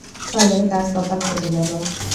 ফলে তার কপাল কেটে গেল।